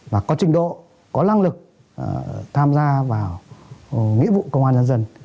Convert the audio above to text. và có trình độ có năng lực tham gia vào nghĩa vụ công an nhân dân